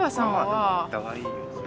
お互いよ